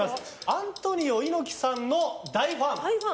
アントニオ猪木さんの大ファン。